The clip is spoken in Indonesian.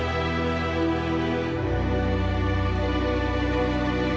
kamu takut kehilangan suara kamu